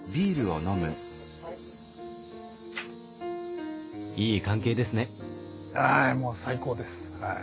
はいもう最高です。